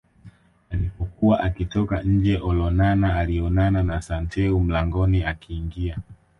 Alipokuwa akitoka nje Olonana alionana na Santeu mlangoni akiingia